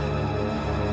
aku mau kita sekedar balik